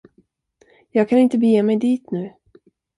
Jag kan inte bege mig dit nu!